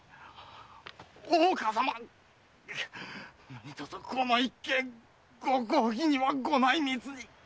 何とぞこの一件ご公儀にはご内密に！